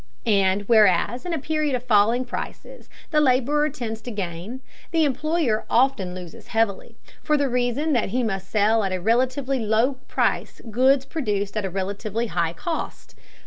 And whereas in a period of falling prices the laborer tends to gain, the employer often loses heavily, for the reason that he must sell at a relatively low price goods produced at a relatively high cost.